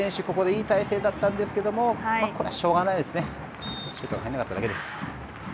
ここでいい体勢だったんですけどもこれはしょうがないですね。